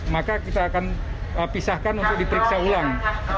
maka kita akan pisahkan untuk diperiksa ulang